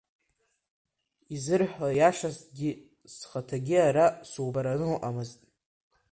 Изырҳәо иашазҭгьы, схаҭагьы ара субараны уҟамызт.